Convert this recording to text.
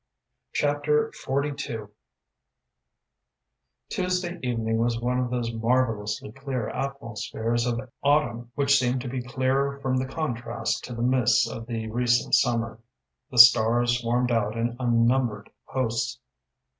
Chapter XLII Tuesday evening was one of those marvellously clear atmospheres of autumn which seem to be clearer from the contrast to the mists of the recent summer. The stars swarmed out in unnumbered hosts.